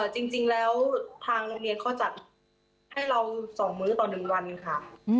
จริงแล้วทางโรงเรียนเขาจัดให้เรา๒มื้อต่อ๑วันค่ะ